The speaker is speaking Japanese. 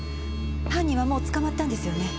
犯人はもう捕まったんですよね？